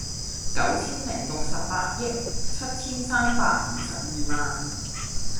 九千零六十八億七千三百五十二萬